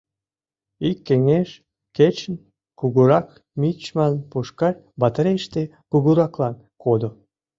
...Ик кеҥеж кечын кугурак мичман Пушкарь батарейыште кугураклан кодо.